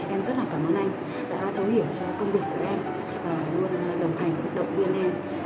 em rất là cảm ơn anh đã thấu hiểu cho công việc của em và luôn đồng hành động viên em